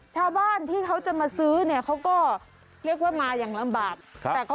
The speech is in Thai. ชาวบ้านที่เขาจะมาซื้อเนี่ยเขาก็เรียกว่ามาอย่างลำบาก